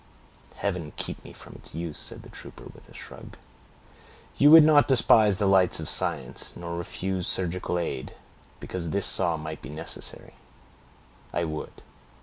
"Heaven keep me from its use," said the trooper, with a shrug. "You would not despise the lights of science, nor refuse surgical aid, because this saw might be necessary?" "I would."